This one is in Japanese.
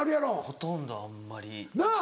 ほとんどあんまり。なぁ。